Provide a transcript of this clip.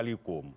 ini ahli alikum